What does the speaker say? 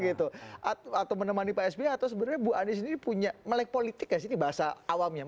gitu atau menemani psb atau sebetulnya bu anies ini punya melek politik kasih bahasa awam yang